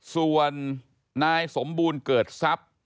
ส่วนนายสมบูรณ์เกิดทรัพย์